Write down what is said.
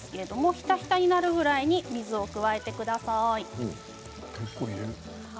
ひたひたになるぐらいまで水を加えてください。